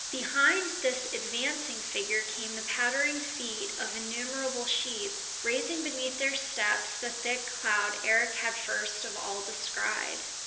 Behind this advancing figure came the pattering feet of innumerable sheep, raising beneath their steps the thick cloud Eric had first of all descried.